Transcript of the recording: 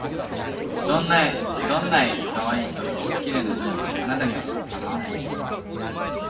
どんない可愛い人でも綺麗な人でもあなたには敵わない